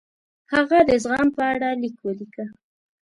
هغه د زغم په اړه لیک ولیکه.